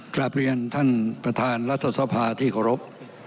จะรับเปลี่ยนท่านประธานรัฐษภาที่ขอรบ